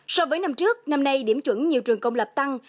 so với năm trước năm nay điểm chuẩn nhiều trường công lập tăng